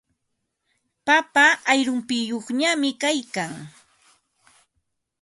Papa ayrumpiyuqñami kaykan.